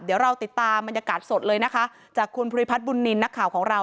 เดี๋ยวเราติดตามบรรยากาศสดเลยนะคะจากคุณภูริพัฒนบุญนินทร์นักข่าวของเรา